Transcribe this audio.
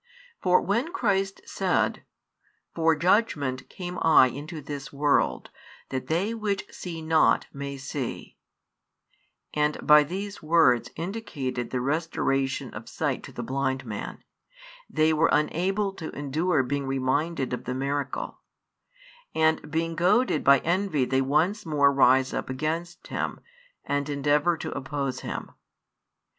For when Christ said: For judgment came I into this world, that they which see not may see, and by these words indicated the restoration of sight to the blind man, they were unable to endure being reminded of the miracle, and being goaded by envy they once more rise up against Him, and endeavour to oppose Him.